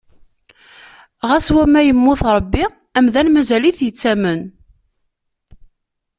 Ɣas wamma yemmut Ṛebbi, amdan mazal-it yettamen.